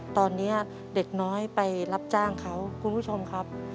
ตอนนี้เด็กน้อยไปรับจ้างเขาคุณผู้ชมครับ